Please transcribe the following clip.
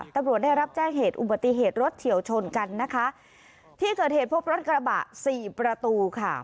ตำรวจได้รับแจ้งเหตุอุบัติเหตุรถเฉียวชนกันนะคะที่เกิดเหตุพบรถกระบะสี่ประตูค่ะ